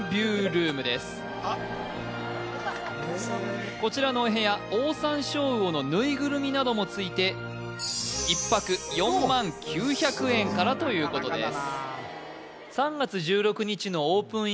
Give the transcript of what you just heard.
その名もこちらのお部屋オオサンショウウオのぬいぐるみなどもついて１泊４万９００円からということです